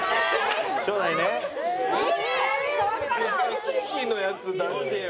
奇跡のやつ出してよ。